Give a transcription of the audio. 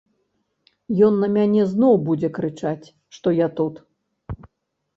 Ён на мяне зноў будзе крычаць, што я тут.